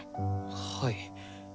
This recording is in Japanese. はい。